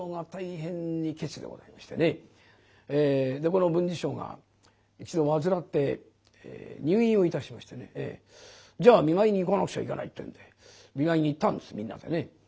この文治師匠が一度患って入院をいたしましてねじゃあ見舞いに行かなくちゃいけないってんで見舞いに行ったんですみんなでね。